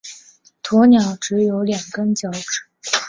鸵鸟只有两根脚趾。